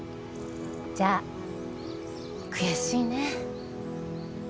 じゃあ悔しいね